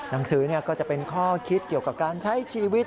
หนังสือก็จะเป็นข้อคิดเกี่ยวกับการใช้ชีวิต